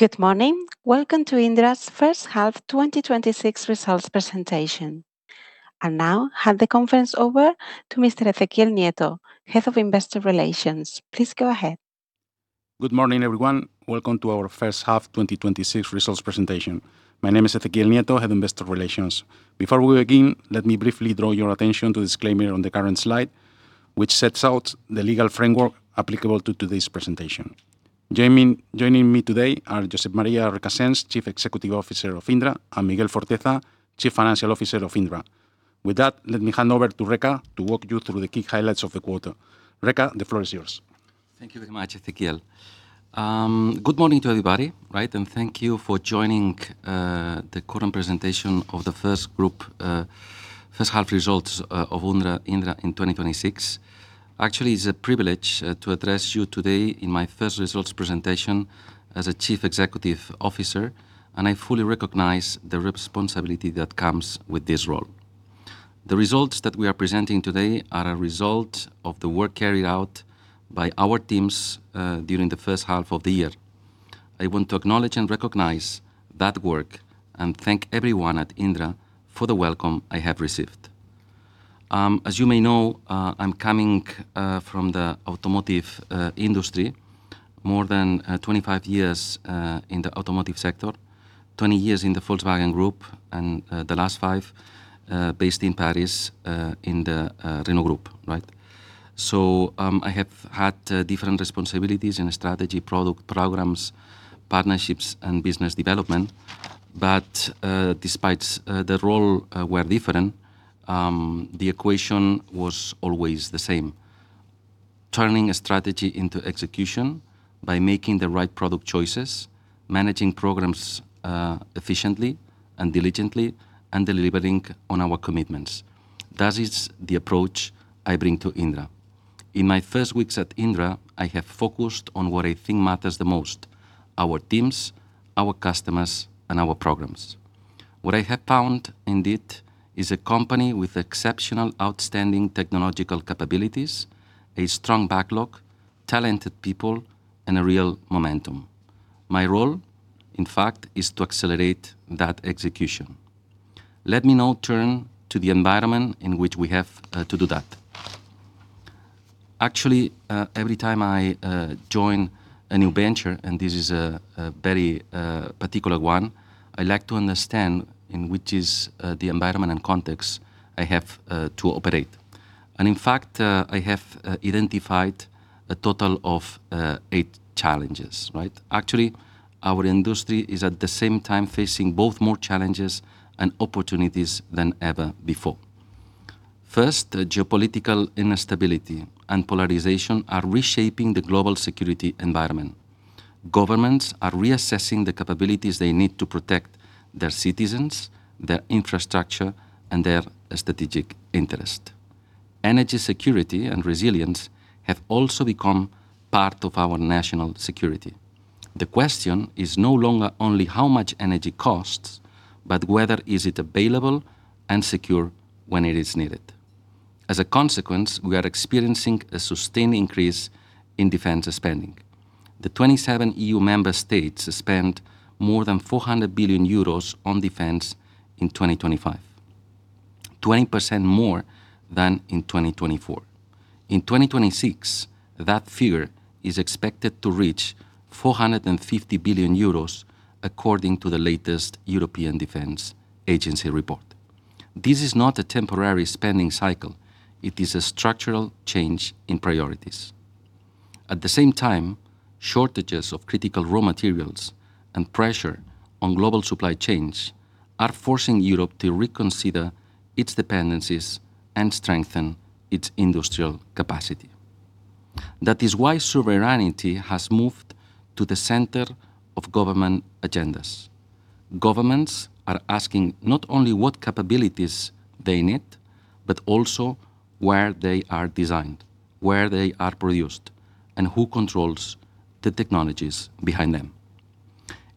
Good morning. Welcome to Indra's first half 2026 results presentation. Now, hand the conference over to Mr. Ezequiel Nieto, Head of Investor Relations. Please go ahead. Good morning, everyone. Welcome to our first half 2026 results presentation. My name is Ezequiel Nieto, Head of Investor Relations. Before we begin, let me briefly draw your attention to the disclaimer on the current slide, which sets out the legal framework applicable to today's presentation. Joining me today are Josep Maria Recasens, Chief Executive Officer of Indra, and Miguel Forteza, Chief Financial Officer of Indra. With that, let me hand over to Reca to walk you through the key highlights of the quarter. Reca, the floor is yours. Thank you very much, Ezequiel. Good morning to everybody, thank you for joining the current presentation of the first half results of Indra in 2026. Actually, it's a privilege to address you today in my first results presentation as a Chief Executive Officer, I fully recognize the responsibility that comes with this role. The results that we are presenting today are a result of the work carried out by our teams during the first half of the year. I want to acknowledge and recognize that work and thank everyone at Indra for the welcome I have received. As you may know, I'm coming from the automotive industry, more than 25 years in the automotive sector, 20 years in the Volkswagen Group, and the last five based in Paris in the Renault Group. I have had different responsibilities in strategy, product programs, partnerships, and business development. Despite the role were different, the equation was always the same. Turning a strategy into execution by making the right product choices, managing programs efficiently and diligently, and delivering on our commitments. That is the approach I bring to Indra. In my first weeks at Indra, I have focused on what I think matters the most: our teams, our customers, and our programs. What I have found, indeed, is a company with exceptional, outstanding technological capabilities, a strong backlog, talented people, and a real momentum. My role, in fact, is to accelerate that execution. Let me now turn to the environment in which we have to do that. Actually, every time I join a new venture, and this is a very particular one, I like to understand in which is the environment and context I have to operate. In fact, I have identified a total of eight challenges. Actually, our industry is at the same time facing both more challenges and opportunities than ever before. First, the geopolitical instability and polarization are reshaping the global security environment. Governments are reassessing the capabilities they need to protect their citizens, their infrastructure, and their strategic interest. Energy security and resilience have also become part of our national security. The question is no longer only how much energy costs, but whether is it available and secure when it is needed. As a consequence, we are experiencing a sustained increase in defense spending. The 27 EU member states spend more than 400 billion euros on defense in 2025, 20% more than in 2024. In 2026, that figure is expected to reach 450 billion euros, according to the latest European Defence Agency report. This is not a temporary spending cycle. It is a structural change in priorities. At the same time, shortages of critical raw materials and pressure on global supply chains are forcing Europe to reconsider its dependencies and strengthen its industrial capacity. That is why sovereignty has moved to the center of government agendas. Governments are asking not only what capabilities they need, but also where they are designed, where they are produced, and who controls the technologies behind them.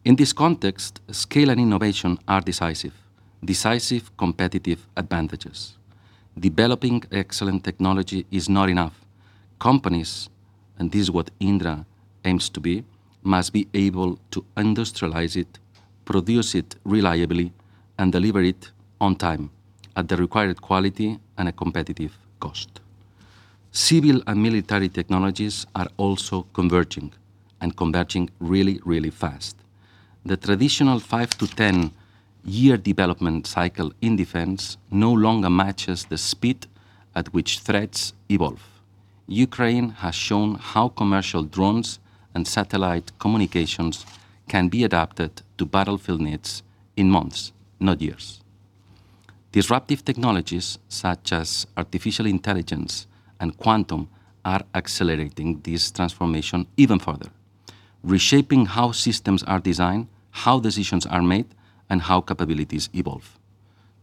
In this context, scale and innovation are decisive competitive advantages. Developing excellent technology is not enough. Companies, and this is what Indra aims to be, must be able to industrialize it, produce it reliably, and deliver it on time at the required quality and a competitive cost. Civil and military technologies are also converging, and converging really fast. The traditional 5 to 10 year development cycle in defense no longer matches the speed at which threats evolve. Ukraine has shown how commercial drones and satellite communications can be adapted to battlefield needs in months, not years. Disruptive technologies such as artificial intelligence and quantum are accelerating this transformation even further, reshaping how systems are designed, how decisions are made, and how capabilities evolve.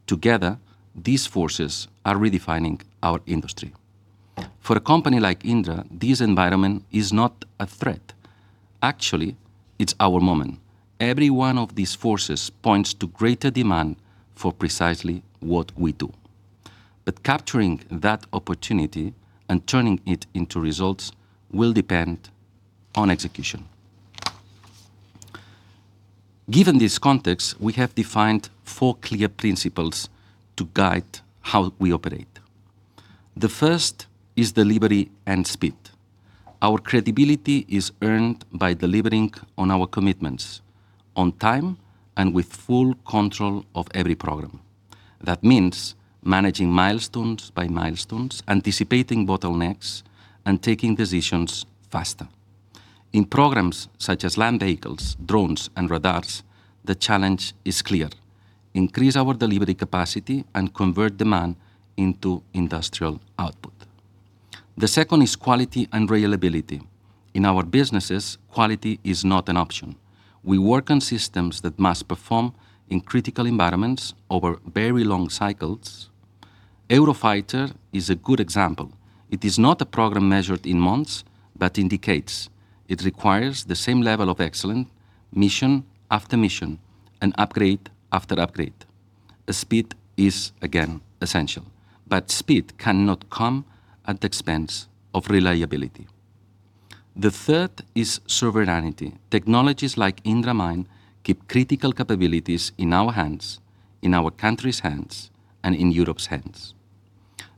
Together, these forces are redefining our industry. For a company like Indra, this environment is not a threat. Actually, it's our moment. Every one of these forces points to greater demand for precisely what we do. Capturing that opportunity and turning it into results will depend on execution. Given this context, we have defined four clear principles to guide how we operate. The first is delivery and speed. Our credibility is earned by delivering on our commitments on time and with full control of every program. That means managing milestones by milestones, anticipating bottlenecks, and making decisions faster. In programs such as land vehicles, drones, and radars, the challenge is clear: increase our delivery capacity and convert demand into industrial output. The second is quality and reliability. In our businesses, quality is not an option. We work on systems that must perform in critical environments over very long cycles. Eurofighter is a good example. It is not a program measured in months, but in decades. It requires the same level of excellence, mission after mission and upgrade after upgrade. Speed is, again, essential, but speed cannot come at the expense of reliability. The third is sovereignty. Technologies like IndraMind keep critical capabilities in our hands, in our country's hands, and in Europe's hands.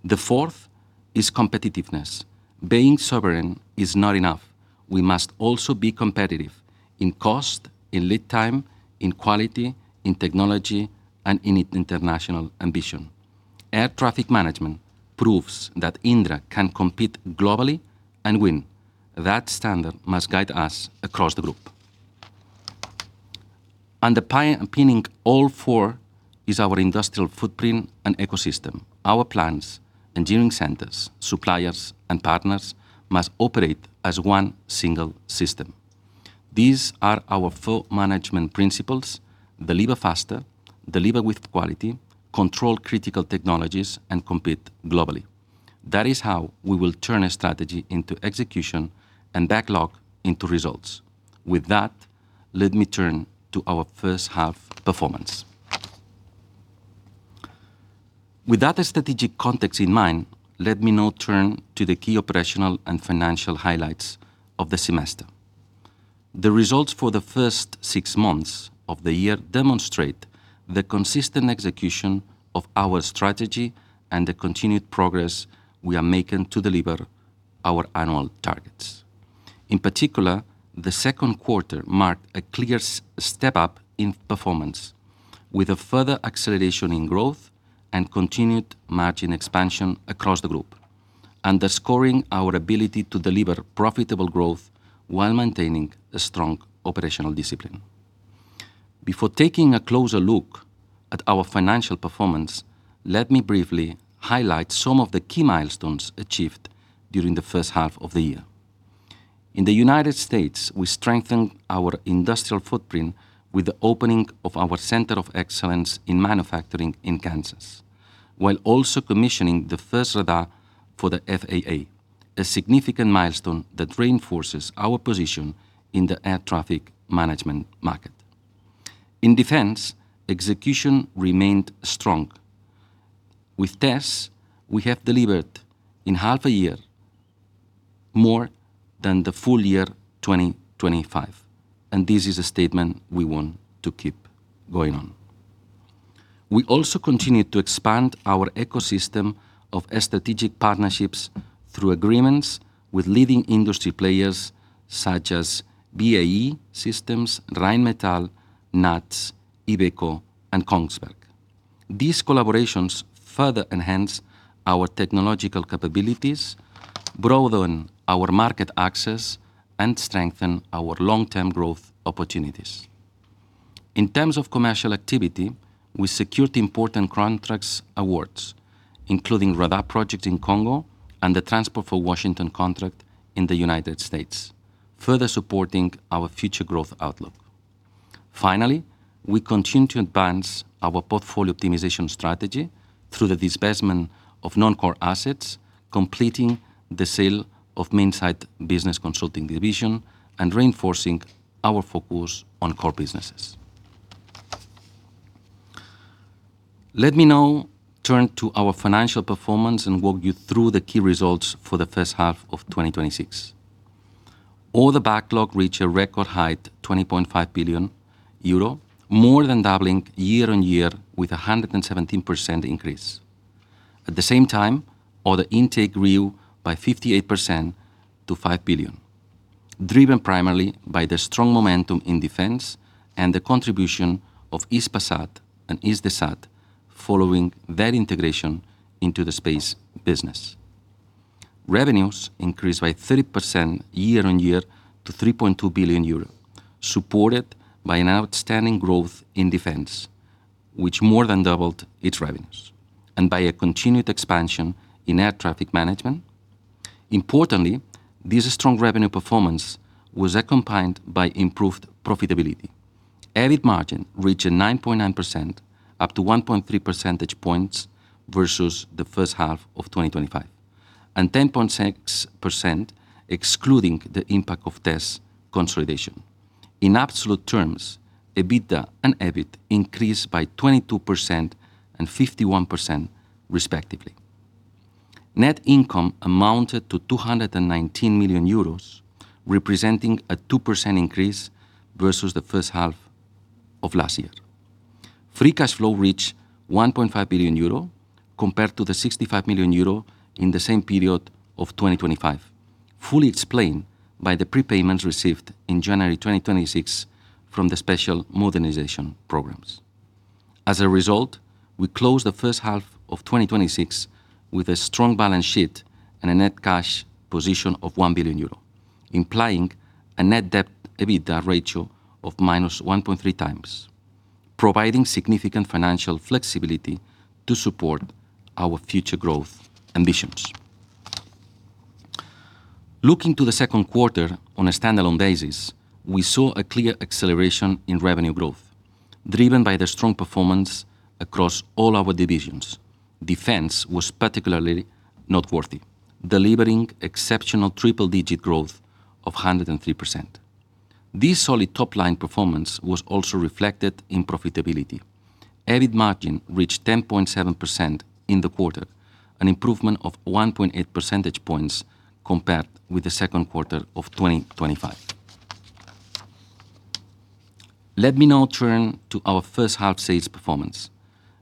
The fourth is competitiveness. Being sovereign is not enough. We must also be competitive in cost, in lead time, in quality, in technology, and in international ambition. Air traffic management proves that Indra can compete globally and win. That standard must guide us across the group. Underscoring all four is our industrial footprint and ecosystem. Our plants, engineering centers, suppliers, and partners must operate as one single system. These are our four management principles: deliver faster, deliver with quality, control critical technologies, and compete globally. That is how we will turn a strategy into execution and backlog into results. With that, let me turn to our first half performance. With that strategic context in mind, let me now turn to the key operational and financial highlights of the semester. The results for the first six months of the year demonstrate the consistent execution of our strategy and the continued progress we are making to deliver our annual targets. In particular, the second quarter marked a clear step up in performance with a further acceleration in growth and continued margin expansion across the group, underscoring our ability to deliver profitable growth while maintaining a strong operational discipline. Before taking a closer look at our financial performance, let me briefly highlight some of the key milestones achieved during the first half of the year. In the U.S., we strengthened our industrial footprint with the opening of our Center of Excellence in Manufacturing in Kansas. While also commissioning the first radar for the FAA, a significant milestone that reinforces our position in the air traffic management market. In defense, execution remained strong. With TESS, we have delivered in half a year more than the full year 2025, and this is a statement we want to keep going on. We also continue to expand our ecosystem of strategic partnerships through agreements with leading industry players such as BAE Systems, Rheinmetall, NATS, Iveco, and Kongsberg. These collaborations further enhance our technological capabilities, broaden our market access, and strengthen our long-term growth opportunities. In terms of commercial activity, we secured important contracts awards, including radar projects in Congo and the transport for Washington contract in the U.S., further supporting our future growth outlook. Finally, we continue to advance our portfolio optimization strategy through the divestment of non-core assets, completing the sale of Minsait business consulting division, and reinforcing our focus on core businesses. Let me now turn to our financial performance and walk you through the key results for the first half of 2026. Order backlog reached a record high at 20.5 billion euro, more than doubling year on year with 117% increase. At the same time, order intake grew by 58% to 5 billion, driven primarily by the strong momentum in defense and the contribution of Hispasat and Hisdesat following their integration into the space business. Revenues increased by 30% year on year to 3.2 billion euro, supported by an outstanding growth in defense, which more than doubled its revenues, and by a continued expansion in air traffic management. Importantly, this strong revenue performance was accompanied by improved profitability. EBIT margin reached 9.9%, up to 1.3 percentage points versus the first half of 2025. 10.6%, excluding the impact of TESS consolidation. In absolute terms, EBITDA and EBIT increased by 22% and 51% respectively. Net income amounted to 219 million euros, representing a 2% increase versus the first half of last year. Free cash flow reached 1.5 billion euro compared to the 65 million euro in the same period of 2025, fully explained by the prepayments received in January 2026 from the Special Modernization Programs. As a result, we closed the first half of 2026 with a strong balance sheet and a net cash position of 1 billion euro, implying a net debt/EBITDA ratio of -1.3x, providing significant financial flexibility to support our future growth ambitions. Looking to the second quarter on a standalone basis, we saw a clear acceleration in revenue growth, driven by the strong performance across all our divisions. Defense was particularly noteworthy, delivering exceptional triple-digit growth of 103%. This solid top-line performance was also reflected in profitability. EBIT margin reached 10.7% in the quarter, an improvement of 1.8 percentage points compared with the second quarter of 2025. Let me now turn to our first half sales performance.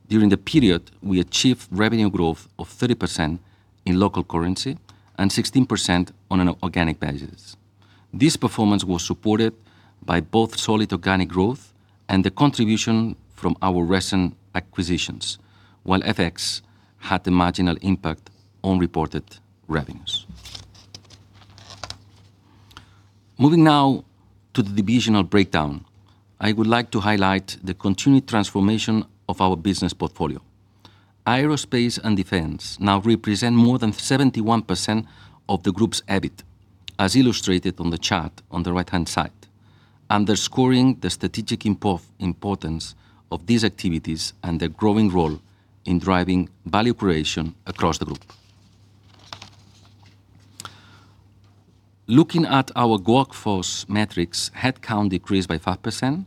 During the period, we achieved revenue growth of 30% in local currency and 16% on an organic basis. This performance was supported by both solid organic growth and the contribution from our recent acquisitions, while FX had a marginal impact on reported revenues. Moving now to the divisional breakdown, I would like to highlight the continued transformation of our business portfolio. Aerospace and Defense now represent more than 71% of the group's EBIT, as illustrated on the chart on the right-hand side, underscoring the strategic importance of these activities and their growing role in driving value creation across the group. Looking at our workforce metrics, headcount decreased by 5%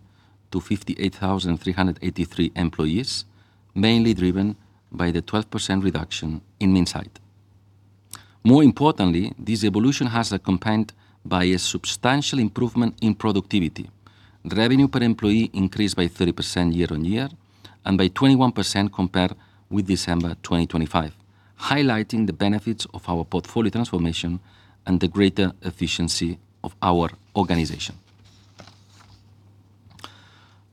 to 58,383 employees, mainly driven by the 12% reduction in Minsait. More importantly, this evolution has accompanied by a substantial improvement in productivity. Revenue per employee increased by 30% year-on-year and by 21% compared with December 2025, highlighting the benefits of our portfolio transformation and the greater efficiency of our organization.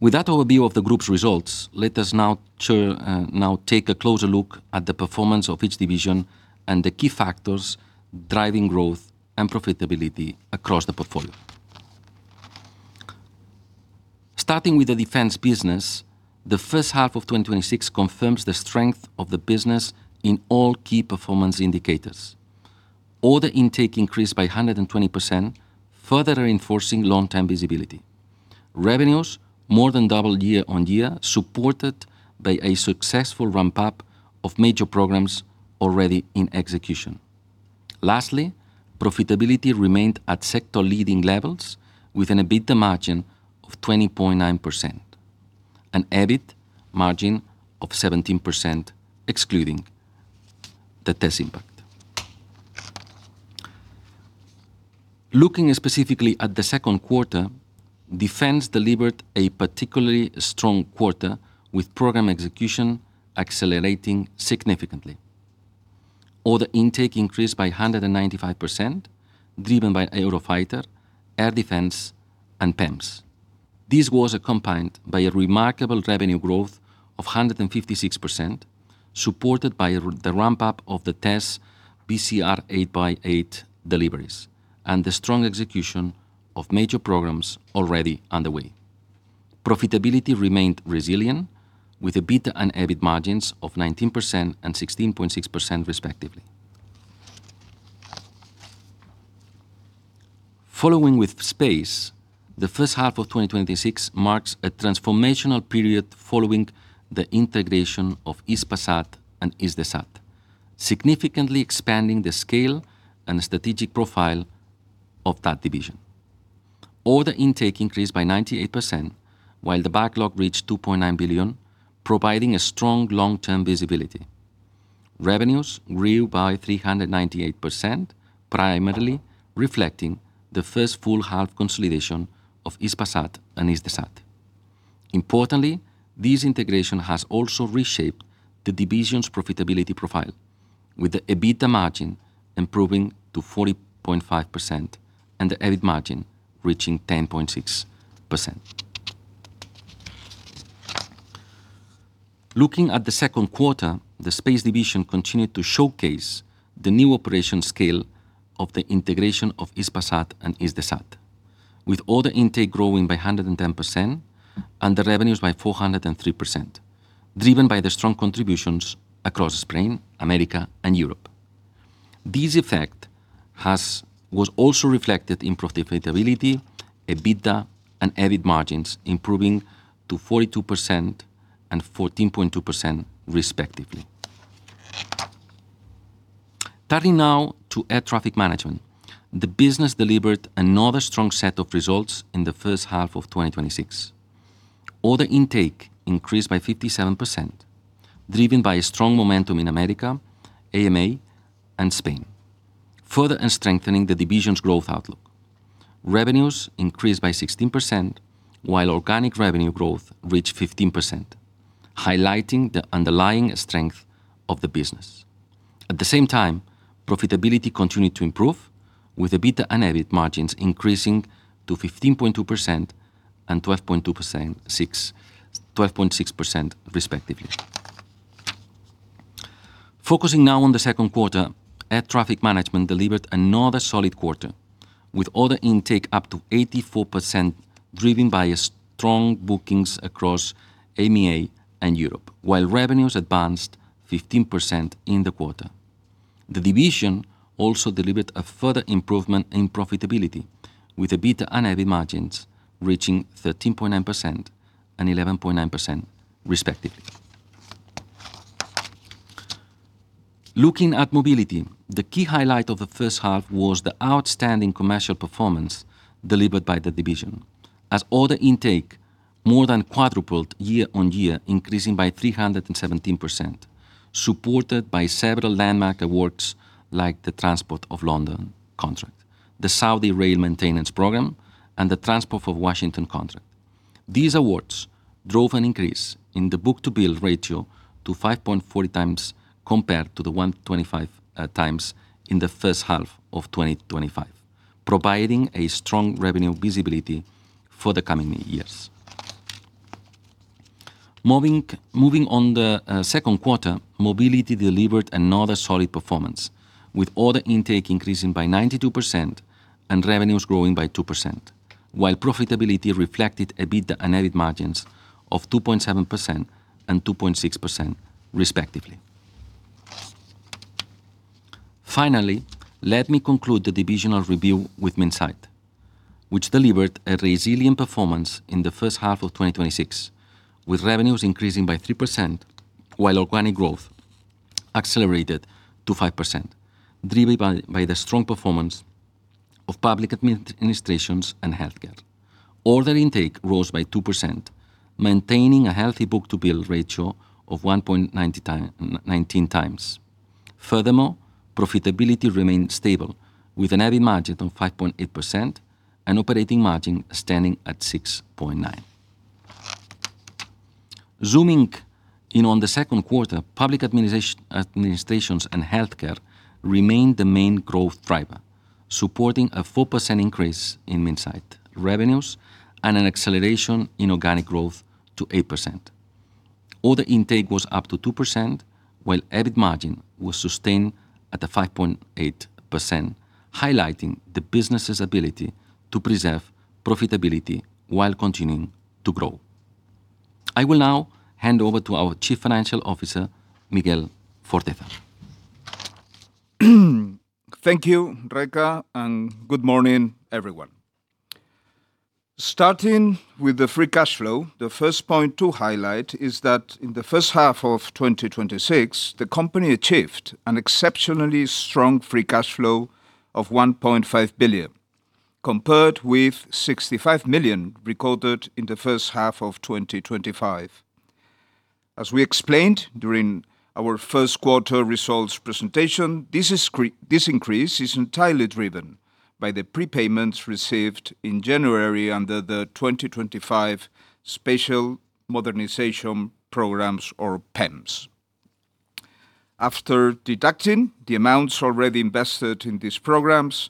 With that overview of the group's results, let us now take a closer look at the performance of each division and the key factors driving growth and profitability across the portfolio. Starting with the Defense business, the first half of 2026 confirms the strength of the business in all key performance indicators. Order intake increased by 120%, further reinforcing long-term visibility. Revenues more than doubled year-on-year, supported by a successful ramp-up of major programs already in execution. Lastly, profitability remained at sector-leading levels with an EBITDA margin of 20.9%, an EBIT margin of 17%, excluding the TESS impact. Looking specifically at the second quarter, Defense delivered a particularly strong quarter, with program execution accelerating significantly. Order intake increased by 195%, driven by Eurofighter, Air Defense, and PEMs. This was accompanied by a remarkable revenue growth of 156%, supported by the ramp-up of the TESS VCR 8x8 deliveries and the strong execution of major programs already underway. Profitability remained resilient with EBITDA and EBIT margins of 19% and 16.6% respectively. Following with space, the first half of 2026 marks a transformational period following the integration of Hispasat and Hisdesat, significantly expanding the scale and strategic profile of that division. Order intake increased by 98%, while the backlog reached 2.9 billion, providing a strong long-term visibility. Revenues grew by 398%, primarily reflecting the first full half consolidation of Hispasat and Hisdesat. Importantly, this integration has also reshaped the division's profitability profile, with the EBITDA margin improving to 40.5% and the EBIT margin reaching 10.6%. Looking at the second quarter, the space division continued to showcase the new operation scale of the integration of Hispasat and Hisdesat, with order intake growing by 110% and revenues by 403%, driven by the strong contributions across Spain, America, and Europe. This effect was also reflected in profitability, EBITDA and EBIT margins improving to 42% and 14.2% respectively. Turning now to Air Traffic Management. The business delivered another strong set of results in the first half of 2026. Order intake increased by 57%, driven by strong momentum in America, AMEA and Spain, further strengthening the division's growth outlook. Revenues increased by 16%, while organic revenue growth reached 15%, highlighting the underlying strength of the business. At the same time, profitability continued to improve, with EBITDA and EBIT margins increasing to 15.2% and 12.6%, respectively. Focusing now on the second quarter, Air Traffic Management delivered another solid quarter, with order intake up to 84%, driven by strong bookings across AMEA and Europe, while revenues advanced 15% in the quarter. The division also delivered a further improvement in profitability, with EBITDA and EBIT margins reaching 13.9% and 11.9%, respectively. Looking at mobility, the key highlight of the first half was the outstanding commercial performance delivered by the division, as order intake more than quadrupled year-on-year, increasing by 317%, supported by several landmark awards like the Transport for London contract, the Saudi Rail Maintenance program, and the Transport for Washington contract. These awards drove an increase in the book-to-bill ratio to 5.4x compared to 1.25x in the first half of 2025, providing a strong revenue visibility for the coming years. Moving on the second quarter, mobility delivered another solid performance, with order intake increasing by 92% and revenues growing by 2%, while profitability reflected EBITDA and EBIT margins of 2.7% and 2.6% respectively. Finally, let me conclude the divisional review with Minsait, which delivered a resilient performance in the first half of 2026, with revenues increasing by 3% while organic growth accelerated to 5%, driven by the strong performance of public administrations and healthcare. Order intake rose by 2%, maintaining a healthy book-to-bill ratio of 1.19x. Furthermore, profitability remained stable with an EBIT margin of 5.8% and operating margin standing at 6.9%. Zooming in on the second quarter, public administrations and healthcare remained the main growth driver, supporting a 4% increase in Minsait revenues and an acceleration in organic growth to 8%. Order intake was up to 2% while EBIT margin was sustained at 5.8%, highlighting the business's ability to preserve profitability while continuing to grow. I will now hand over to our Chief Financial Officer, Miguel Forteza. Thank you, Reca, and good morning, everyone. Starting with the free cash flow, the first point to highlight is that in the first half of 2026, the company achieved an exceptionally strong free cash flow of 1.5 billion, compared with 65 million recorded in the first half of 2025. As we explained during our first quarter results presentation, this increase is entirely driven by the prepayments received in January under the 2025 Special Modernisation Programmes, or PEMs. After deducting the amounts already invested in these programs,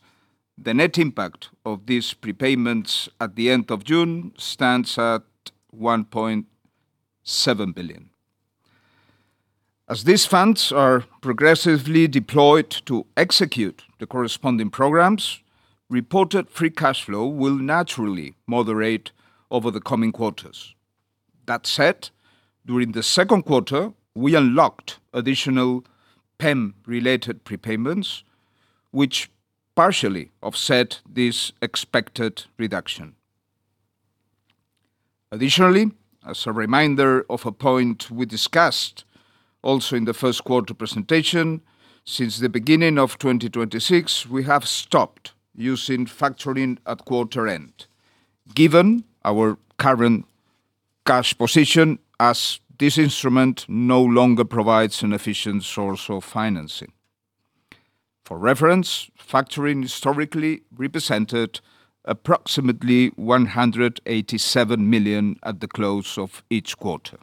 the net impact of these prepayments at the end of June stands at 1.7 billion. As these funds are progressively deployed to execute the corresponding programs, reported free cash flow will naturally moderate over the coming quarters. That said, during the second quarter, we unlocked additional PEM-related prepayments, which partially offset this expected reduction. Additionally, as a reminder of a point we discussed also in the first quarter presentation, since the beginning of 2026, we have stopped using factoring at quarter end, given our current cash position, as this instrument no longer provides an efficient source of financing. For reference, factoring historically represented approximately 187 million at the close of each quarter.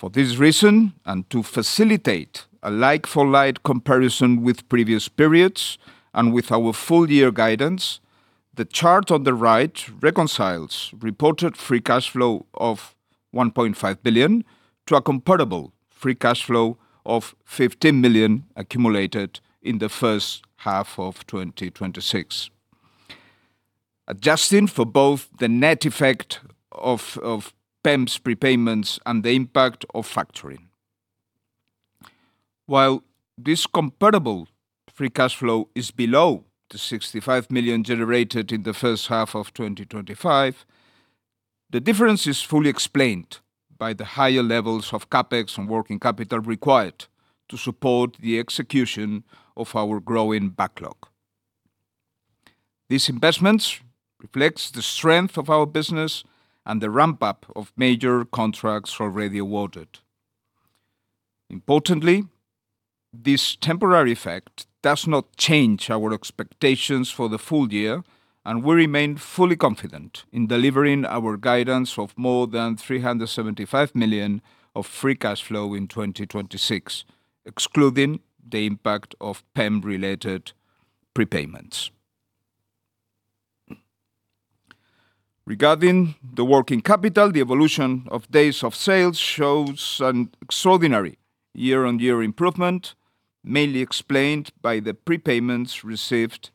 For this reason, to facilitate a like-for-like comparison with previous periods and with our full year guidance, the chart on the right reconciles reported free cash flow of 1.5 billion to a comparable free cash flow of 15 million accumulated in the first half of 2026. Adjusting for both the net effect of PEM's prepayments and the impact of factoring. While this comparable free cash flow is below the 65 million generated in the first half of 2025, the difference is fully explained by the higher levels of CapEx and working capital required to support the execution of our growing backlog. These investments reflects the strength of our business and the ramp-up of major contracts already awarded. Importantly, this temporary effect does not change our expectations for the full year, and we remain fully confident in delivering our guidance of more than 375 million of free cash flow in 2026, excluding the impact of PEM-related prepayments. Regarding the working capital, the evolution of Days of Sales shows an extraordinary year-on-year improvement, mainly explained by the prepayments received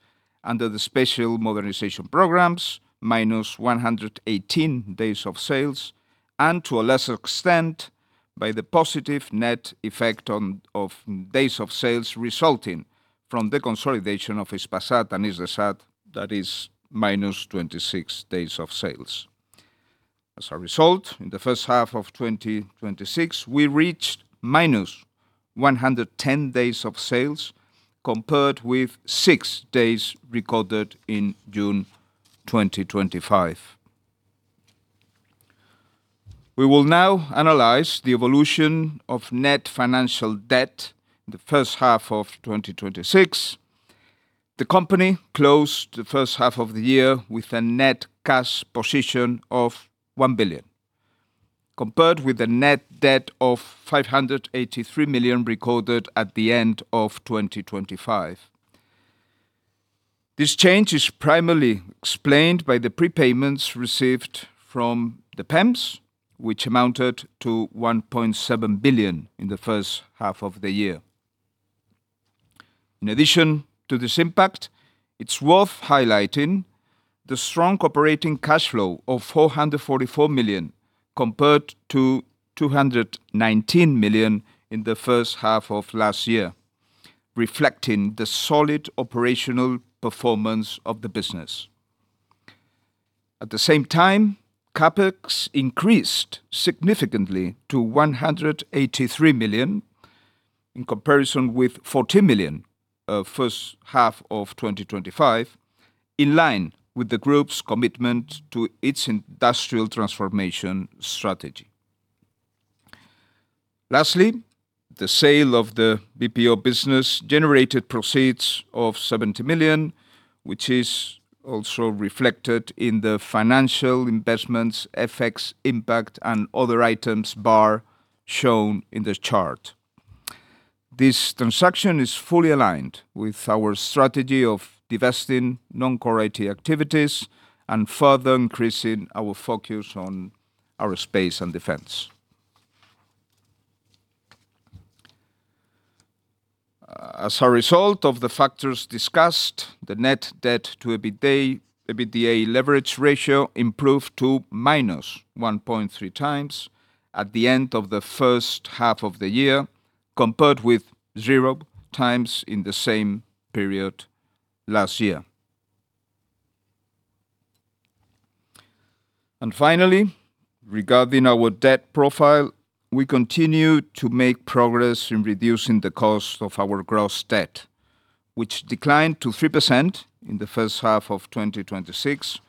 under the Special Modernisation Programmes, -118 Days of Sales, to a lesser extent, by the positive net effect of Days of Sales resulting from the consolidation of Hispasat and Hisdesat, that is -26 Days of Sales. As a result, in the first half of 2026, we reached -110 Days of Sales compared with six days recorded in June 2025. We will now analyze the evolution of net financial debt in the first half of 2026. The company closed the first half of the year with a net cash position of 1 billion, compared with the net debt of 583 million recorded at the end of 2025. This change is primarily explained by the prepayments received from the PEMs, which amounted to 1.7 billion in the first half of the year. In addition to this impact, it is worth highlighting the strong operating cash flow of 444 million compared to 219 million in the first half of last year, reflecting the solid operational performance of the business. At the same time, CapEx increased significantly to 183 million in comparison with 14 million first half of 2025, in line with the group's commitment to its industrial transformation strategy. Lastly, the sale of the BPO business generated proceeds of 70 million, which is also reflected in the financial investments effects impact and other items bar shown in the chart. This transaction is fully aligned with our strategy of divesting non-core IT activities and further increasing our focus on aerospace and defense. As a result of the factors discussed, the net debt/EBITDA leverage ratio improved to -1.3x at the end of the first half of the year, compared with zero times in the same period last year. Regarding our debt profile, we continue to make progress in reducing the cost of our gross debt, which declined to 3% in the first half of 2026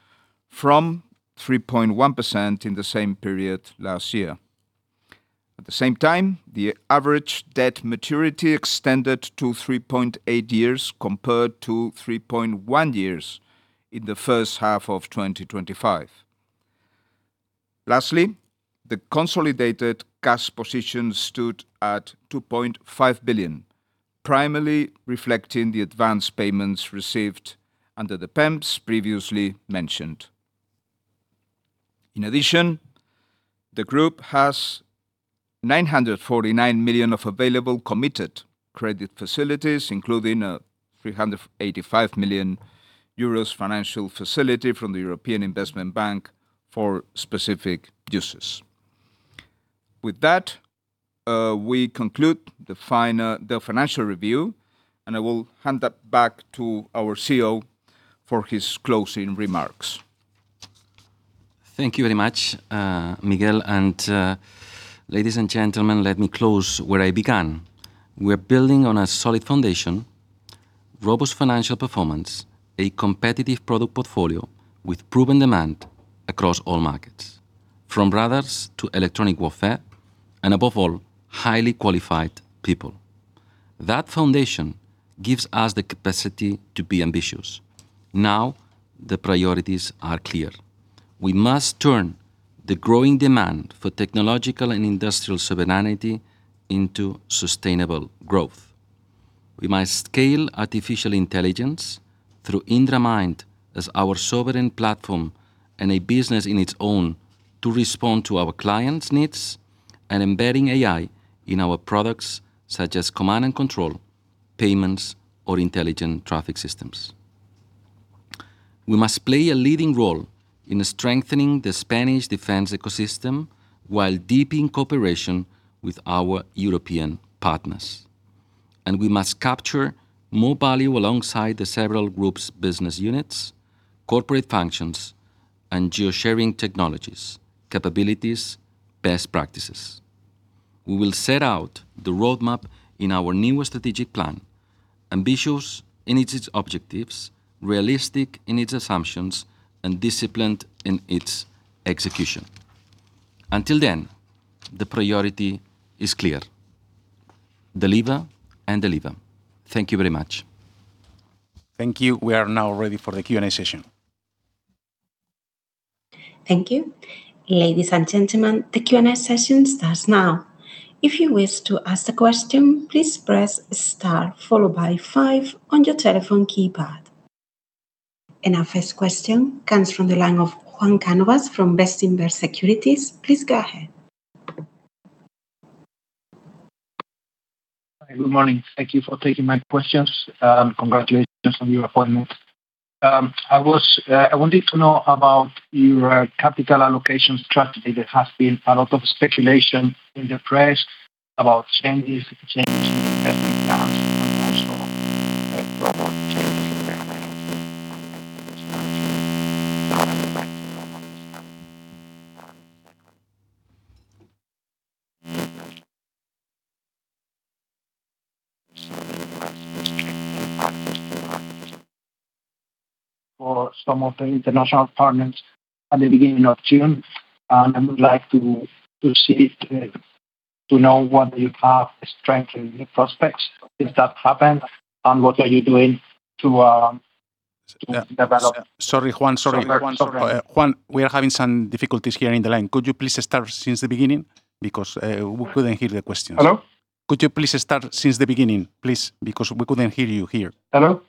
from 3.1% in the same period last year. At the same time, the average debt maturity extended to three point eight years, compared to three point one years in the first half of 2025. Lastly, the consolidated cash position stood at 2.5 billion, primarily reflecting the advance systems received under the PEMs previously mentioned. In addition, the group has 949 million of available committed credit facilities, including a 385 million euros financial facility from the European Investment Bank for specific uses. With that, we conclude the financial review, and I will hand that back to our Chief Executive Officer for his closing remarks. Thank you very much, Miguel. Ladies and gentlemen, let me close where I began. We are building on a solid foundation, robust financial performance, a competitive product portfolio with proven demand across all markets, from radars to electronic warfare, and above all, highly qualified people. That foundation gives us the capacity to be ambitious. Now, the priorities are clear. We must turn the growing demand for technological and industrial sovereignty into sustainable growth. We must scale artificial intelligence through IndraMind as our sovereign platform and a business in its own to respond to our clients' needs and embedding AI in our products, such as command and control systems, or intelligent traffic systems. We must play a leading role in strengthening the Spanish defense ecosystem while deepening cooperation with our European partners. We must capture more value alongside the several group's business units, corporate functions, and geo-sharing technologies, capabilities, best practices. We will set out the roadmap in our new strategic plan, ambitious in its objectives, realistic in its assumptions, and disciplined in its execution. Until then, the priority is clear. Deliver and deliver. Thank you very much. Thank you. We are now ready for the Q&A session. Thank you. Ladies and gentlemen, the Q&A session starts now. If you wish to ask a question, please press star followed by five on your telephone keypad. Our first question comes from the line of Juan Cánovas from Bestinver Securities. Please go ahead. Hi. Good morning. Thank you for taking my questions. Congratulations on your appointment. I wanted to know about your capital allocation strategy. There has been a lot of speculation in the press about changes in investment plans and also what changes in management for some of the international partners at the beginning of June. I would like to know what you have strengthened in prospects since that happened, and what are you doing to develop. Sorry, Juan. Juan, we are having some difficulties hearing the line. Could you please start since the beginning? Because we couldn't hear the questions. Hello? Could you please start since the beginning, please? Because we couldn't hear you here. Hello?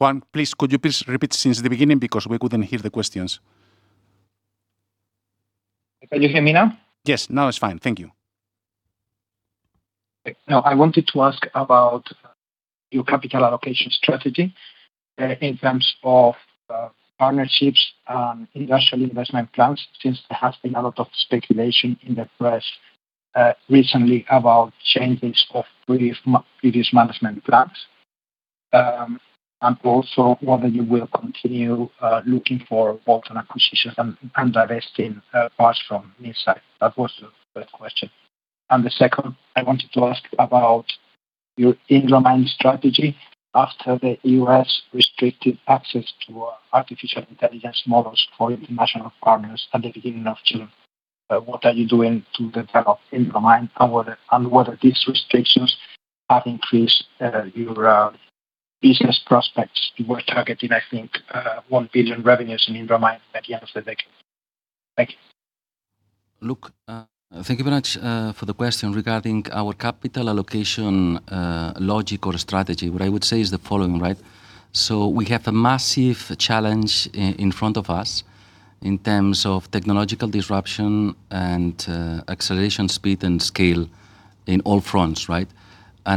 Juan, please, could you please repeat since the beginning because we couldn't hear the questions. Can you hear me now? Yes. Now it's fine. Thank you. Okay. I wanted to ask about your capital allocation strategy in terms of partnerships and industrial investment plans, since there has been a lot of speculation in the press recently about changes of previous management plans. Also, whether you will continue looking for alternate acquisitions and divesting parts from Minsait. That was the first question. The second I wanted to ask about your IndraMind strategy after the U.S. restricted access to artificial intelligence models for international partners at the beginning of June. What are you doing to develop IndraMind, and whether these restrictions have increased your business prospects? You were targeting, I think, 1 billion revenues in IndraMind at the end of the decade. Thank you. Look, thank you very much for the question regarding our capital allocation logic or strategy. What I would say is the following. We have a massive challenge in front of us in terms of technological disruption and acceleration speed and scale in all fronts.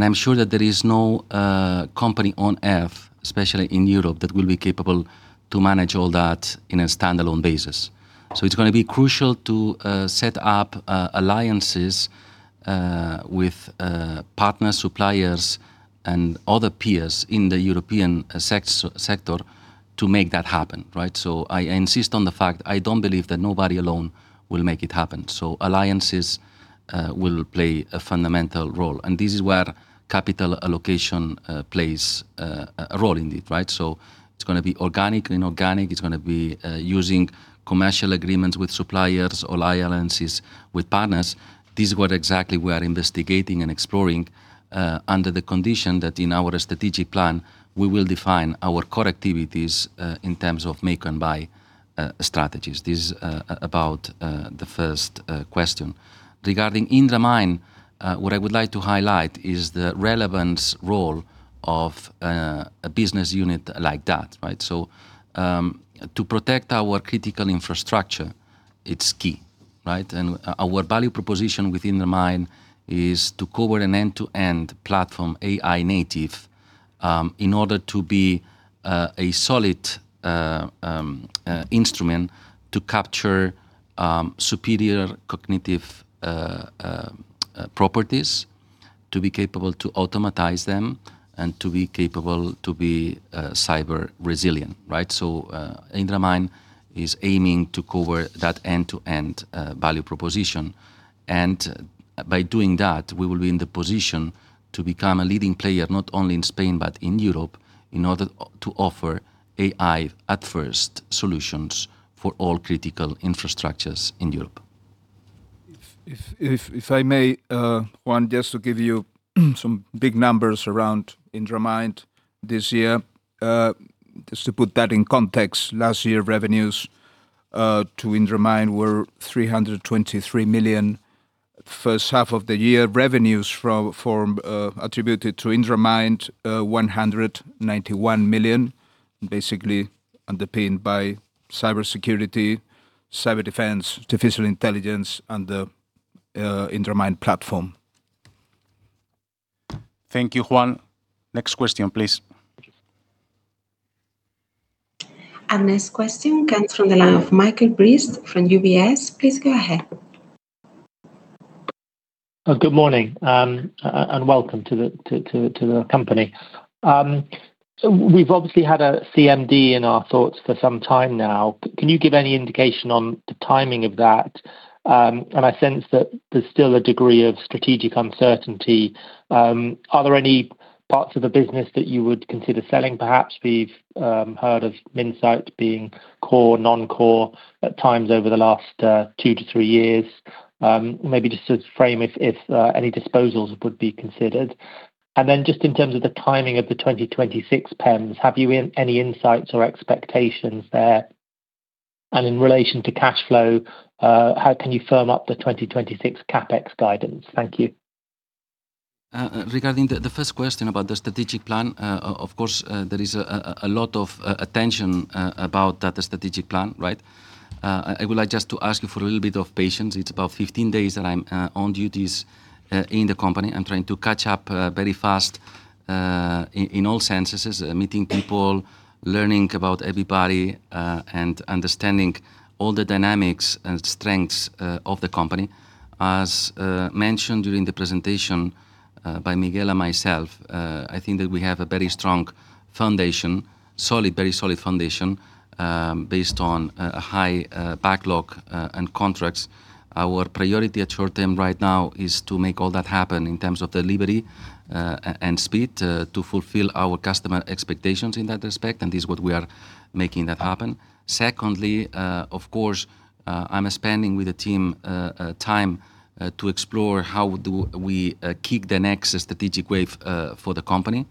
I'm sure that there is no company on Earth, especially in Europe, that will be capable to manage all that in a standalone basis. It's going to be crucial to set up alliances with partner suppliers and other peers in the European sector to make that happen. I insist on the fact I don't believe that nobody alone will make it happen. Alliances will play a fundamental role, and this is where capital allocation plays a role in it. It's going to be organic, inorganic. It's going to be using commercial agreements with suppliers or alliances with partners. This is what exactly we are investigating and exploring under the condition that in our strategic plan, we will define our core activities in terms of make and buy strategies. This is about the first question. Regarding IndraMind, what I would like to highlight is the relevant role of a business unit like that. To protect our critical infrastructure, it's key. Our value proposition within IndraMind is to cover an end-to-end platform, AI native, in order to be a solid instrument to capture superior cognitive properties, to be capable to automatize them, and to be capable to be cyber resilient. IndraMind is aiming to cover that end-to-end value proposition. By doing that, we will be in the position to become a leading player, not only in Spain but in Europe, in order to offer AI-first solutions for all critical infrastructures in Europe. If I may, Juan, just to give you some big numbers around IndraMind this year. Just to put that in context, last year revenues. To IndraMind were 323 million. First half of the year revenues attributed to IndraMind, 191 million, basically underpinned by cybersecurity, cyber defense, artificial intelligence, and the IndraMind platform. Thank you, Juan. Next question, please. Our next question comes from the line of Michael Briest from UBS. Please go ahead. Good morning. Welcome to the company. We've obviously had a CMD in our thoughts for some time now. Can you give any indication on the timing of that? I sense that there's still a degree of strategic uncertainty. Are there any parts of the business that you would consider selling, perhaps? We've heard of Minsait being core, non-core at times over the last two to three years. Maybe just to frame if any disposals would be considered. Then just in terms of the timing of the 2026 PEMs, have you any insights or expectations there? In relation to cash flow, how can you firm up the 2026 CapEx guidance? Thank you. Regarding the first question about the strategic plan, of course, there is a lot of attention about that strategic plan. I would like just to ask you for a little bit of patience. It's about 15 days that I'm on duties in the company. I'm trying to catch up very fast, in all senses, meeting people, learning about everybody, and understanding all the dynamics and strengths of the company. As mentioned during the presentation by Miguel and myself, I think that we have a very strong foundation, very solid foundation, based on a high backlog and contracts. Our priority at short term right now is to make all that happen in terms of delivery and speed to fulfill our customer expectations in that respect, and this is what we are making that happen. Secondly, of course, I'm spending, with the team, time to explore how do we kick the next strategic wave for the company.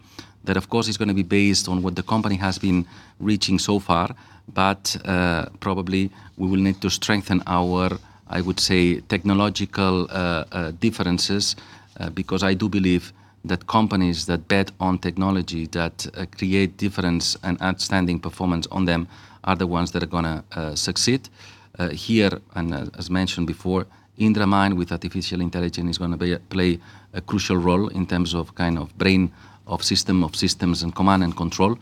That, of course, is going to be based on what the company has been reaching so far. Probably we will need to strengthen our, I would say, technological differences, because I do believe that companies that bet on technology, that create difference and outstanding performance on them, are the ones that are going to succeed. Here, and as mentioned before, IndraMind with artificial intelligence is going to play a crucial role in terms of kind of brain of system of systems and command and control,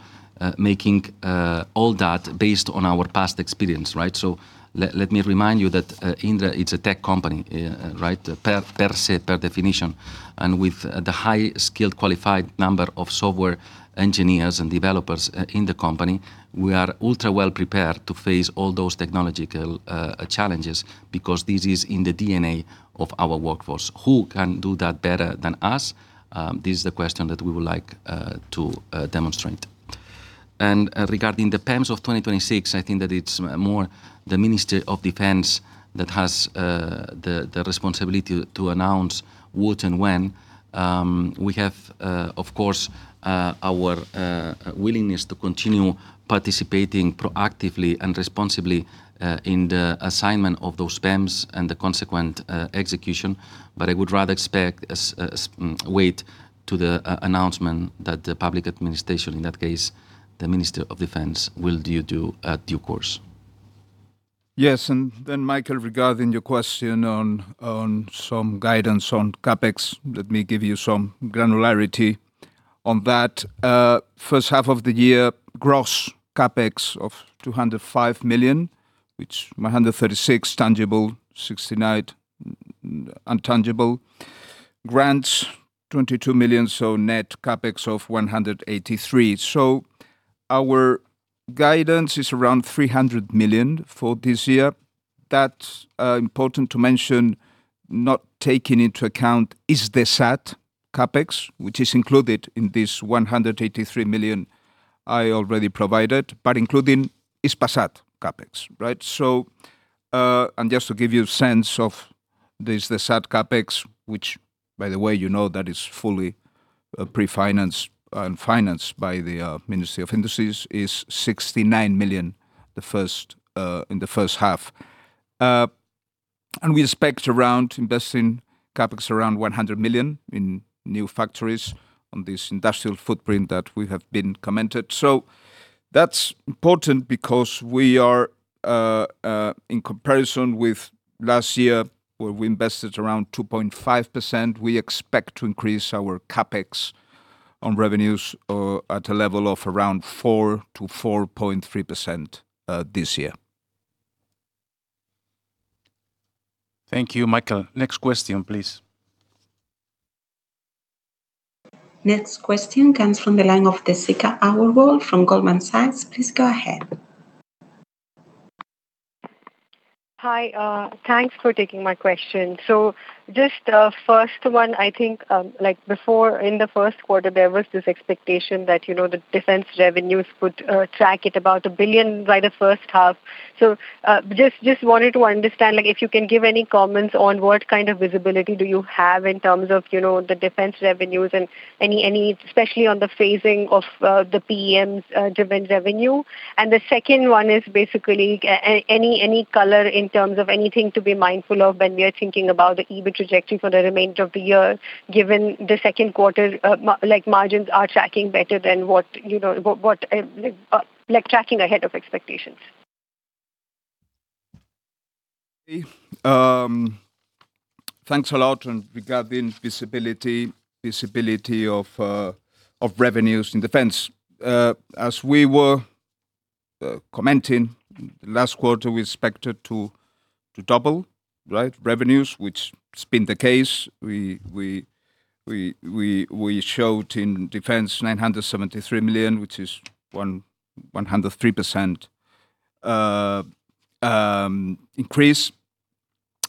making all that based on our past experience. Let me remind you that Indra, it's a tech company, per se, per definition. With the high-skilled qualified number of software engineers and developers in the company, we are ultra well prepared to face all those technological challenges because this is in the DNA of our workforce. Who can do that better than us? This is the question that we would like to demonstrate. Regarding the PEMs of 2026, I think that it's more the Minister of Defense that has the responsibility to announce what and when. We have, of course, our willingness to continue participating proactively and responsibly in the assignment of those PEMs and the consequent execution. I would rather expect us wait to the announcement that the public administration, in that case, the Minister of Defense, will do due course. Yes, Michael, regarding your question on some guidance on CapEx, let me give you some granularity on that. First half of the year, gross CapEx of 205 million, which 136 tangible, 69 intangible. Grants, 22 million, net CapEx of 183. Our guidance is around 300 million for this year. That's important to mention, not taking into account is the SAT CapEx, which is included in this 183 million I already provided, but including is Hispasat CapEx. Just to give you a sense of this, the SAT CapEx, which by the way, you know that is fully pre-financed and financed by the Ministry of Industries, is 69 million in the first half. We expect around investing CapEx around 100 million in new factories on this industrial footprint that we have been commented. That's important because we are, in comparison with last year where we invested around 2.5%, we expect to increase our CapEx on revenues at a level of around 4%-4.3% this year. Thank you, Michael. Next question, please. Next question comes from the line of Deepshikha Agarwal from Goldman Sachs. Please go ahead. Hi, thanks for taking my question. Just the first one, I think before in the first quarter, there was this expectation that the defense revenues could track at about 1 billion by the first half. Just wanted to understand, if you can give any comments on what kind of visibility do you have in terms of the defense revenues and especially on the phasing of the PEMs defense revenue. The second one is basically any color in terms of anything to be mindful of when we are thinking about the EBIT trajectory for the remainder of the year, given the second quarter margins are tracking ahead of expectations. Thanks a lot. Regarding visibility of revenues in defense, as we were commenting last quarter, we expected to double revenues, which has been the case. We showed in defense 973 million, which is 103% increase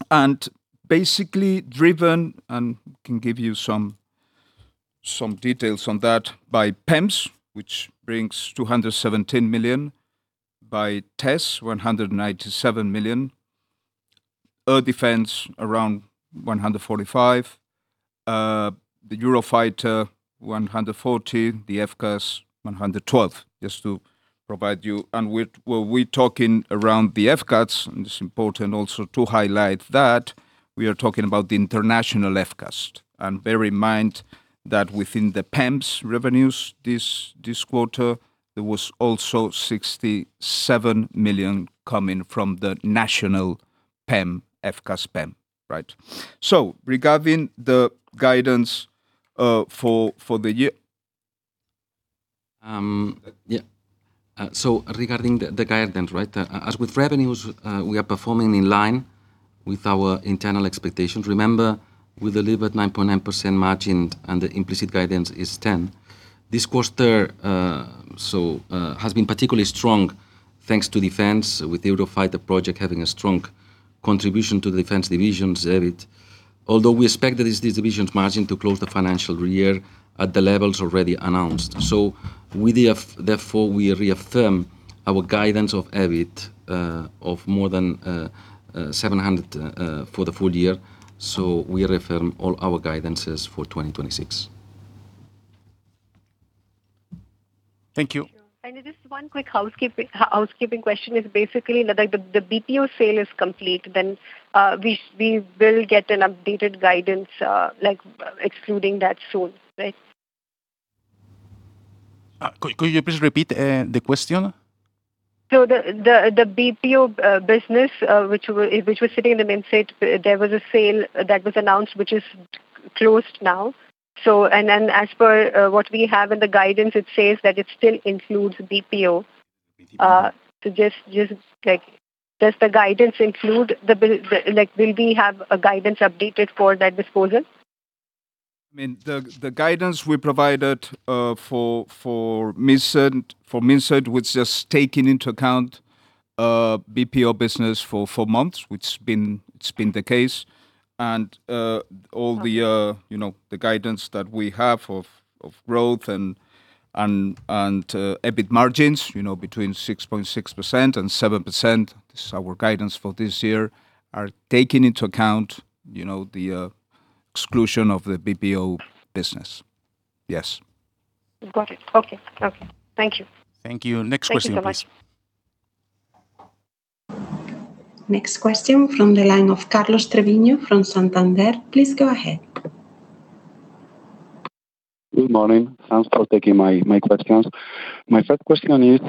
and basically driven, and can give you some details on that, by PEMs, which brings 217 million, by TESS, 197 million, air defense around 145 million, the Eurofighter 140 million, the FCAS 112 million. Just to provide you. We are talking around the FCAS, and it is important also to highlight that we are talking about the international FCAS. Bear in mind that within the PEMs revenues this quarter, there was also 67 million coming from the national FCAS PEM. Regarding the guidance for the year. Regarding the guidance. As with revenues, we are performing in line with our internal expectations. Remember, we delivered 9.9% margin, the implicit guidance is 10%. This quarter has been particularly strong thanks to defense, with the Eurofighter project having a strong contribution to the defense division's EBIT. Although we expect this division's margin to close the financial year at the levels already announced. Therefore, we reaffirm our guidance of EBIT of more than 700 million for the full year. We reaffirm all our guidances for 2026. Thank you. Just one quick housekeeping question is basically now that the BPO sale is complete, then we will get an updated guidance excluding that soon, right? Could you please repeat the question? The BPO business which was sitting in the Minsait, there was a sale that was announced, which is closed now. As per what we have in the guidance, it says that it still includes BPO. Does the guidance include the build? Will we have a guidance updated for that disposal? The guidance we provided for Minsait was just taking into account BPO business for four months, which it's been the case. All the guidance that we have of growth and EBIT margins between 6.6% and 7%, this is our guidance for this year, are taking into account the exclusion of the BPO business. Yes. Got it. Okay. Thank you. Thank you. Next question, please. Thank you very much. Next question from the line of Carlos Treviño from Santander. Please go ahead. Good morning. Thanks for taking my questions. My first question is,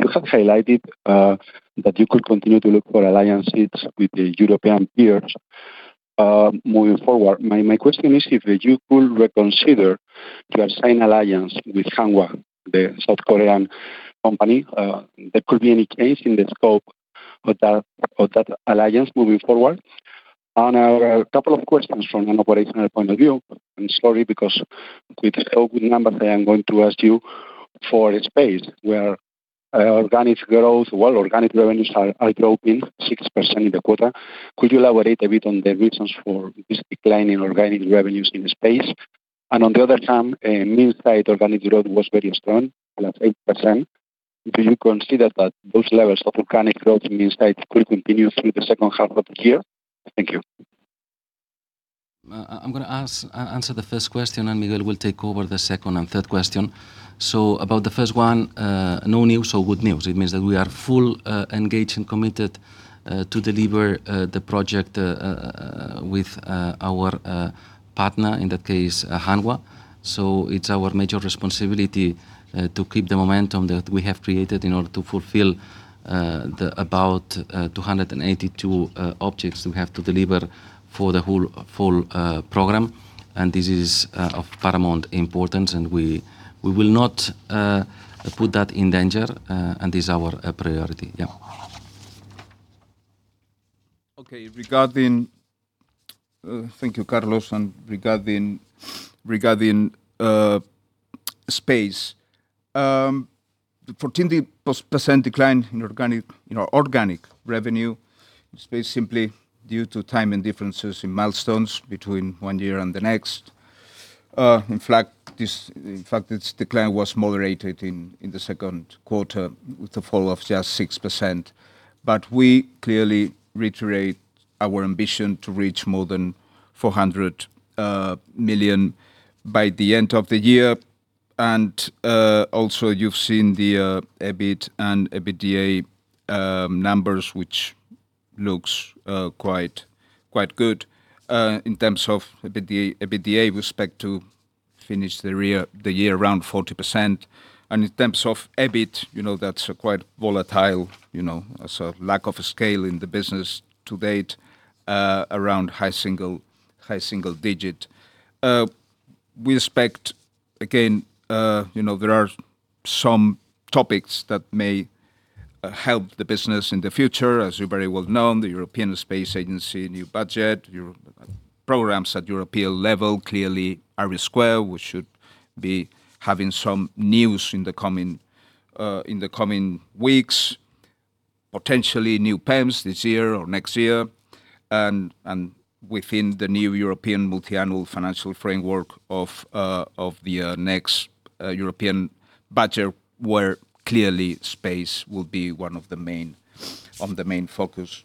you have highlighted that you could continue to look for alliances with European peers moving forward. My question is if you could reconsider to assign alliance with Hanwha, the South Korean company there could be any change in the scope of that alliance moving forward? On a couple of questions from an operational point of view, I'm sorry, because with the scope and numbers, I am going to ask you for Space, where organic growth, while organic revenues are dropping 6% in the quarter. Could you elaborate a bit on the reasons for this decline in organic revenues in the Space? On the other hand, Minsait organic growth was very strong, +8%. Do you consider that those levels of organic growth in Minsait could continue through the second half of the year? Thank you. I'm going to answer the first question, and Miguel will take over the second and third question. About the first one, no news or good news. It means that we are full engaged and committed to deliver the project with our partner, in that case, Hanwha. It's our major responsibility to keep the momentum that we have created in order to fulfill the about 282 objects we have to deliver for the whole program. This is of paramount importance, and we will not put that in danger. This is our priority. Yeah. Okay. Thank you, Carlos. Regarding space, the 14% decline in organic revenue in space simply due to timing differences in milestones between one year and the next. In fact, its decline was moderated in the second quarter with a fall of just 6%. We clearly reiterate our ambition to reach more than 400 million by the end of the year. Also you've seen the EBIT and EBITDA numbers. Looks quite good in terms of EBITDA. We expect to finish the year around 40%. In terms of EBIT, that's quite volatile, so lack of scale in the business to date, around high single digit. We expect, again, there are some topics that may help the business in the future. As you very well know, the European Space Agency new budget, programs at European level, clearly IRIS², we should be having some news in the coming weeks. Potentially new PEMs this year or next year, within the new European Multiannual Financial Framework of the next European budget, where clearly space will be one of the main focus.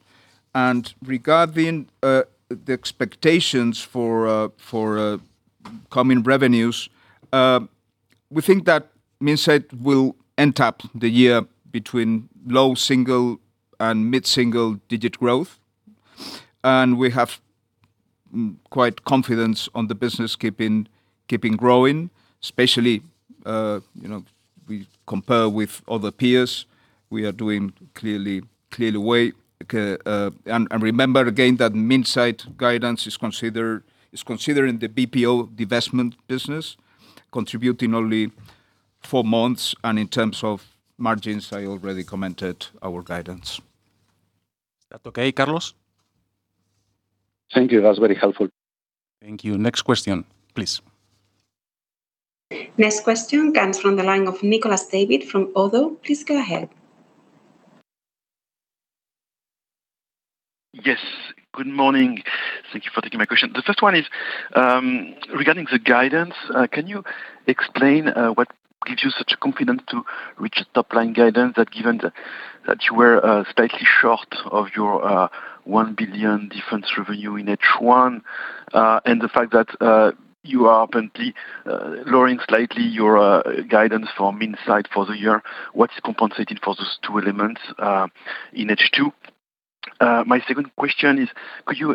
Regarding the expectations for coming revenues, we think that Minsait will end up the year between low single and mid-single digit growth. We have quite confidence on the business keeping growing, especially we compare with other peers, we are doing clearly well. Remember, again, that Minsait guidance is considering the BPO divestment business contributing only four months. In terms of margins, I already commented our guidance. Is that okay, Carlos? Thank you. That was very helpful. Thank you. Next question, please. Next question comes from the line of Nicolas David from ODDO BHF. Please go ahead. Yes, good morning. Thank you for taking my question. The first one is, regarding the guidance, can you explain what gives you such confidence to reach the top-line guidance that given that you were slightly short of your 1 billion defense revenue in H1, and the fact that you are apparently lowering slightly your guidance for Minsait for the year. What's compensating for those two elements in H2? My second question is, could you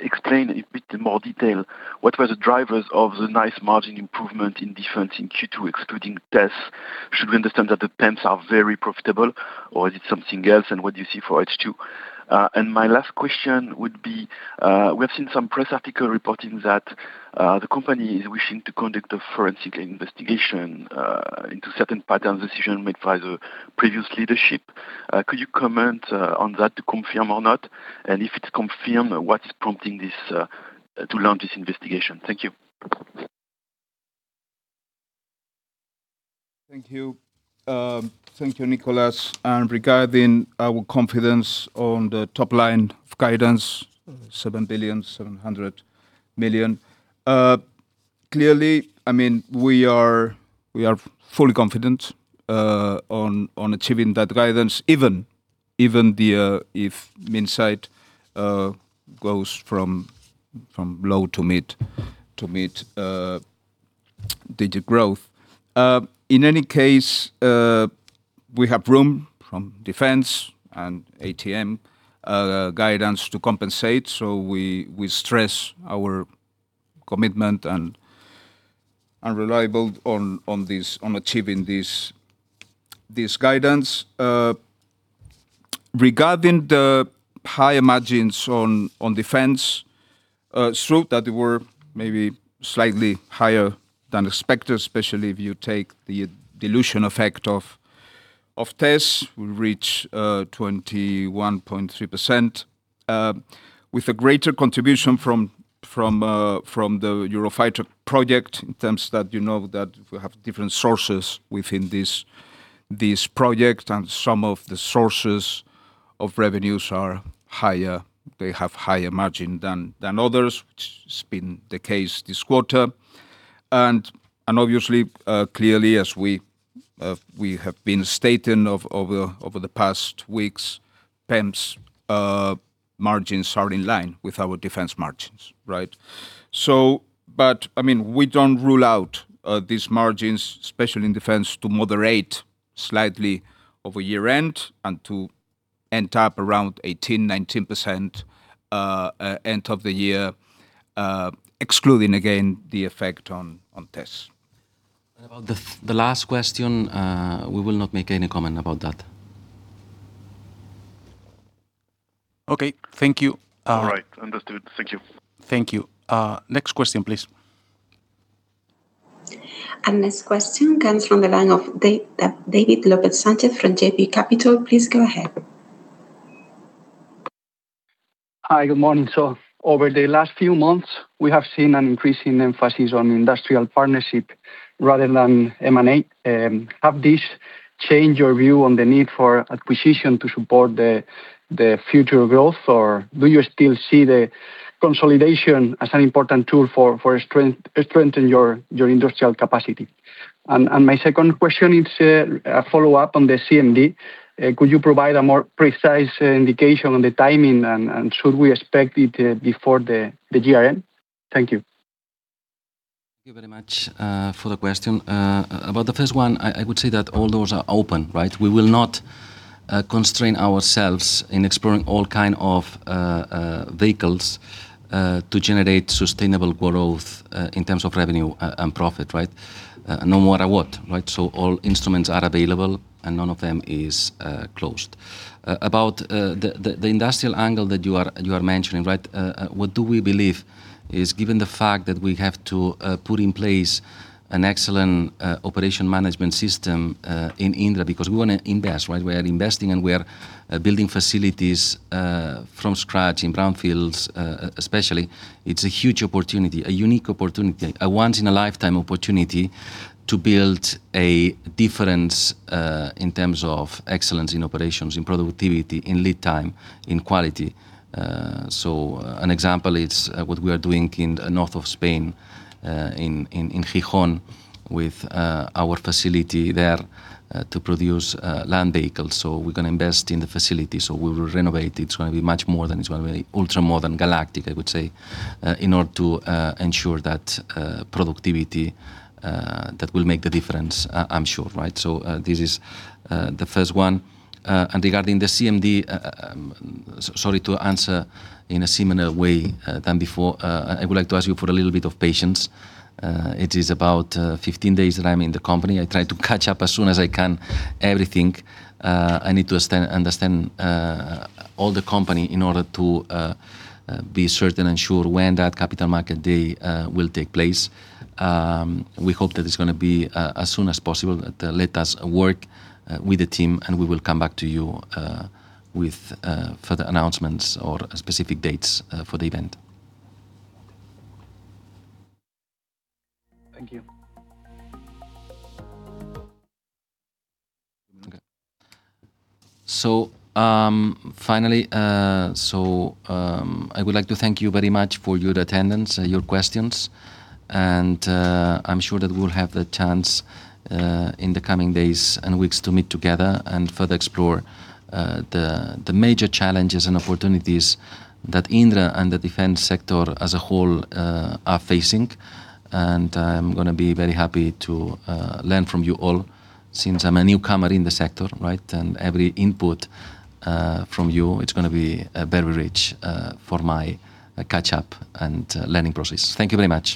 explain a bit more detail what were the drivers of the nice margin improvement in defense in Q2, excluding TESS? Should we understand that the PEMs are very profitable, or is it something else, and what do you see for H2? My last question would be, we have seen some press article reporting that the company is wishing to conduct a forensic investigation into certain patterns, decision made by the previous leadership. Could you comment on that to confirm or not? If it's confirmed, what is prompting to launch this investigation? Thank you. Thank you, Nicolas. Regarding our confidence on the top line of guidance, 7 billion, 700 million, clearly, we are fully confident on achieving that guidance, even if Minsait goes from low to mid-digit growth. In any case, we have room from Defense and ATM guidance to compensate. We stress our commitment and reliable on achieving this guidance. Regarding the higher margins on Defense, it's true that they were maybe slightly higher than expected, especially if you take the dilution effect of TESS, will reach 21.3%, with a greater contribution from the Eurofighter project in terms that you know that we have different sources within this project, and some of the sources of revenues are higher. They have higher margin than others, which has been the case this quarter. Obviously, clearly, as we have been stating over the past weeks, PEM's margins are in line with our Defense margins, right? We don't rule out these margins, especially in Defense, to moderate slightly over year-end and to end up around 18%-19% end of the year, excluding, again, the effect on TESS. About the last question, we will not make any comment about that. Okay. Thank you. All right. Understood. Thank you. Thank you. Next question, please. Next question comes from the line of David López Sánchez from JB Capital. Please go ahead. Hi. Good morning, sir. Over the last few months, we have seen an increasing emphasis on industrial partnership rather than M&A. Have this changed your view on the need for acquisition to support the future growth, or do you still see the consolidation as an important tool for strengthen your industrial capacity? My second question is a follow-up on the CMD. Could you provide a more precise indication on the timing, and should we expect it before the GRN? Thank you. Thank you very much for the question. About the first one, I would say that all doors are open. We will not constrain ourselves in exploring all kind of vehicles to generate sustainable growth in terms of revenue and profit. No matter what. All instruments are available, and none of them is closed. About the industrial angle that you are mentioning, what we believe is, given the fact that we have to put in place an excellent operation management system in Indra, because we want to invest. We are investing and we are building facilities from scratch in brownfields, especially. It's a huge opportunity, a unique opportunity, a once-in-a-lifetime opportunity to build a difference in terms of excellence in operations, in productivity, in lead time, in quality. An example, it's what we are doing in the north of Spain, in Gijón with our facility there to produce land vehicles. We're going to invest in the facility. We will renovate. It's going to be ultra-modern, galactic, I would say, in order to ensure that productivity that will make the difference, I'm sure. This is the first one. Regarding the CMD, sorry to answer in a similar way than before. I would like to ask you for a little bit of patience. It is about 15 days that I'm in the company. I try to catch up as soon as I can, everything. I need to understand all the company in order to be certain and sure when that Capital Market Day will take place. We hope that it's going to be as soon as possible. Let us work with the team. We will come back to you with further announcements or specific dates for the event. Thank you. Okay. Finally, I would like to thank you very much for your attendance and your questions. I'm sure that we'll have the chance in the coming days and weeks to meet together and further explore the major challenges and opportunities that Indra and the defense sector as a whole are facing. I'm going to be very happy to learn from you all, since I'm a newcomer in the sector. Every input from you, it's going to be very rich for my catch-up and learning process. Thank you very much